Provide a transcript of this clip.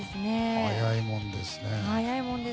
早いもんですね。